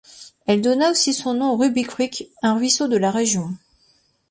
Elle donna aussi son nom au Ruby Creek, un ruisseau de la région.